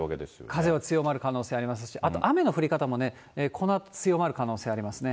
風は強まる可能性ありますし、あと雨の降り方もこのあと、強まる可能性ありますね。